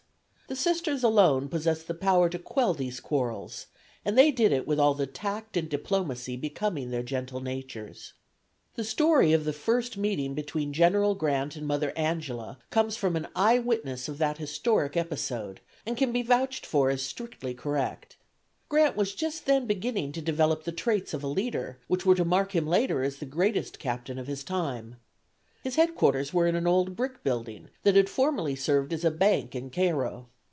The Sisters alone possessed the power to quell these quarrels, and they did it with all the tact and diplomacy becoming their gentle natures. The story of the first meeting between General Grant and Mother Angela comes from an eye witness of that historic episode, and can be vouched for as strictly correct. Grant was just then beginning to develop the traits of a leader, which were to mark him later as the greatest captain of his time. His headquarters were in an old brick building that had formerly served as a bank in Cairo.